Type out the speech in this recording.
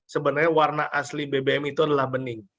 sebenarnya warna asli bbm itu adalah bening